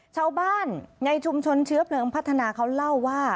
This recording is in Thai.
ชาวบ้านในชุมชนเชื้อเพลิงพัฒนาเขาเล่าว่า